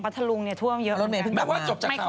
ที่รถไมนเผ็ดของปัดพลุงเท่านั้นพอมา